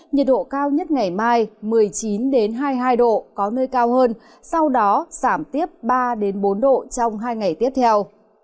nhiệt độ cao nhất ngày mai một mươi chín hai mươi hai độ có nơi cao hơn sau đó giảm tiếp ba bốn độ trong hai ngày tiếp theo